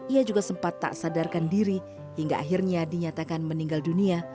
ia juga sempat tak sadarkan diri hingga akhirnya dinyatakan meninggal dunia